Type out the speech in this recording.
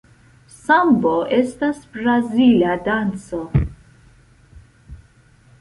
Sambo estas brazila danco.